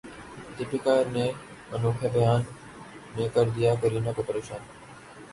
دیپیکا کے انوکھے بیان نے کردیا کرینہ کو پریشان